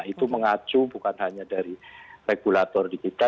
itu mengacu bukan hanya dari regulator di kita